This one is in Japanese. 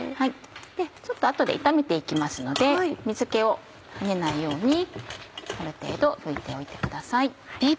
ちょっと後で炒めて行きますので水気が出ないようにある程度拭いておいてください。